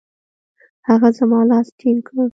هغه زما لاس ټینګ کړ.